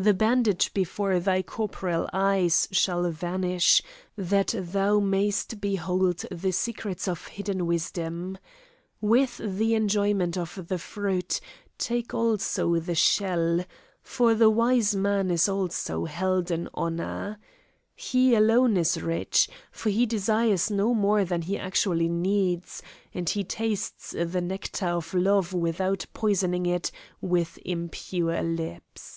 The bandage before thy corporeal eyes shall vanish, that thou mayst behold the secrets of hidden wisdom. With the enjoyment of the fruit take also the shell, for the wise man is also held in honour. He alone is rich, for he desires no more than he actually needs, and he tastes the nectar of love without poisoning it with impure lips."